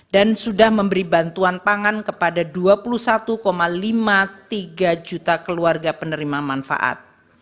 dan sudah memberi bantuan pangan kepada dua puluh satu lima puluh tiga juta keluarga penerima manfaat